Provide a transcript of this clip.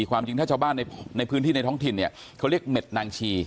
ความจริงถ้าชาวบ้านในพื้นที่ในท้องถิ่นเนี่ยเขาเรียกเม็ดนางชี